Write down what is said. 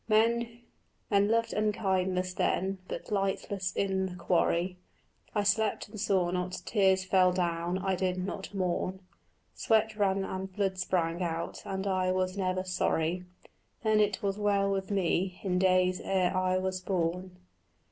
Men loved unkindness then, but lightless in the quarry I slept and saw not; tears fell down, I did not mourn; Sweat ran and blood sprang out and I was never sorry: Then it was well with me, in days ere I was born.